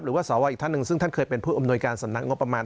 สวอีกท่านหนึ่งซึ่งท่านเคยเป็นผู้อำนวยการสำนักงบประมาณ